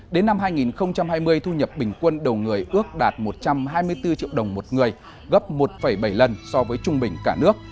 đến năm hai nghìn hai mươi thu nhập bình quân đầu người ước đạt một trăm hai mươi bốn triệu đồng một người gấp một bảy lần so với trung bình cả nước